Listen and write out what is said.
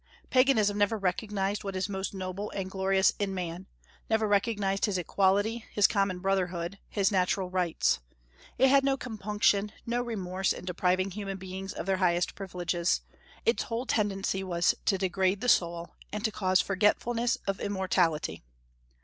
Paganism never recognized what is most noble and glorious in man; never recognized his equality, his common brotherhood, his natural rights. It had no compunction, no remorse in depriving human beings of their highest privileges; its whole tendency was to degrade the soul, and to cause forgetfulness of immortality.